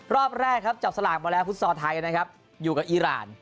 รอบแรกครับจับสลากมาแล้วฟุตซอลไทยนะครับอยู่กับอีราน